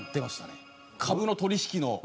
株の取引の。